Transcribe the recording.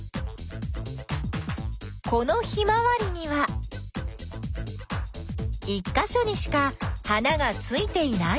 このヒマワリには１かしょにしか花がついていないように見える。